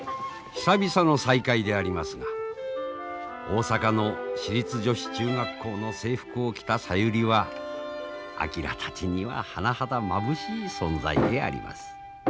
久々の再会でありますが大阪の私立女子中学校の制服を着た小百合は昭たちには甚だまぶしい存在であります。